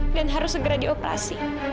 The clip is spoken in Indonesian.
dan harus segera dioperasi